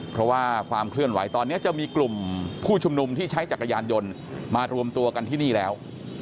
เพราะว่าความเคลื่อนไหวตอนนี้จะมีกลุ่มผู้ชุมนุมที่ใช้จักรยานยนต์มารวมตัวกันที่นี่แล้ว